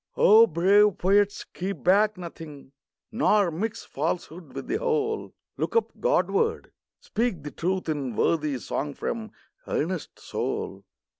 O brave poets, keep back nothing ; Nor mix falsehood with the whole ! Look up Godward! speak the truth in Worthy song from earnest soul